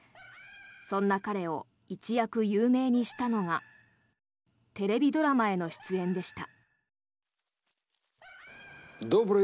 そんな彼を一躍有名にしたのがテレビドラマへの出演でした。